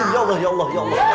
ya allah ya allah